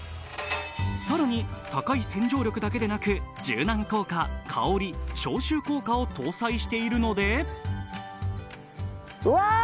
さらに高い洗浄力だけでなく柔軟効果香り消臭効果を搭載しているのでうわ！